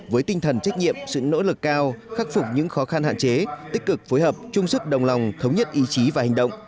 với tinh thần trách nhiệm sự nỗ lực cao khắc phục những khó khăn hạn chế tích cực phối hợp chung sức đồng lòng thống nhất ý chí và hành động